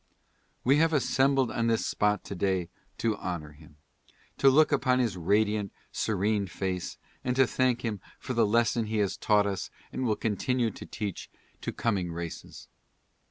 We have assembled on this spot to day to honor him — to look upon his radiant, serene face, and to thank him for the lesson he has taught us and will continue to teach to coming races.